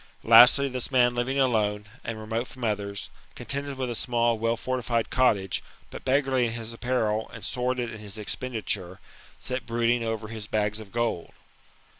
Lastly, this man living alone, and remote from others, contested with a small well fortified cottage, but b^garly in his apparel, and sordid in his expenditure, sat brood ing over his bags of gold.